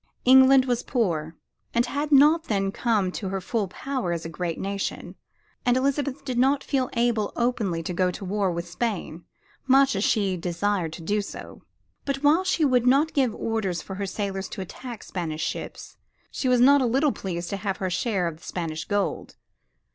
England was poor, and had not then come to her full power as a great nation, and Elizabeth did not feel able openly to go to war with Spain, much as she desired to do so. But while she would not give orders for her sailors to attack Spanish ships, she was not a little pleased to have her share of the Spanish gold.